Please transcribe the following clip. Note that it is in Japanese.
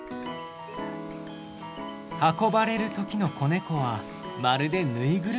運ばれる時の子ネコはまるで縫いぐるみみたい。